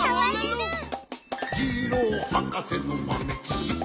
「ジローはかせのまめちしき」